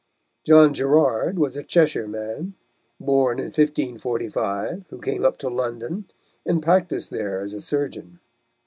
John Gerard was a Cheshire man, born in 1545, who came up to London, and practised there as a surgeon.